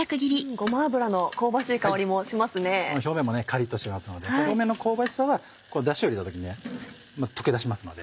この表面もカリっとしてますので表面の香ばしさはダシを入れた時に溶け出しますので。